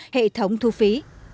hệ thống thu phí